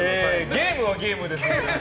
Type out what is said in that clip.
ゲームはゲームですので。